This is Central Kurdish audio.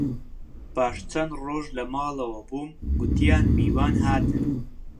پاش چەند ڕۆژ لە ماڵەوە بووم، گوتیان میوان هاتن